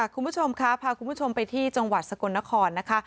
คุณผู้ชมค่ะพาคุณผู้ชมไปที่จังหวัดสกลนครนะคะ